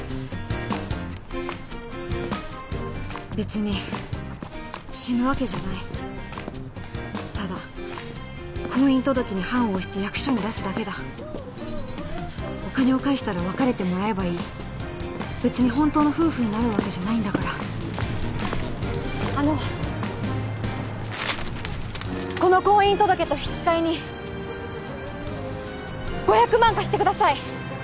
べつに死ぬわけじゃないただ婚姻届に判を捺して役所に出すだけだお金を返したら別れてもらえばいいべつに本当の夫婦になるわけじゃないんだからあのこの婚姻届と引き換えに５００万貸してください